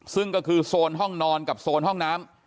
ซึ่งก็คือโซนห้องนอนกับโซนห้องน้ำ